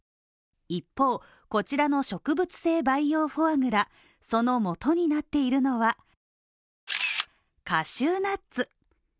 一方、こちらの植物性培養フォアグラ、そのもとになっているのはカシューナッツ。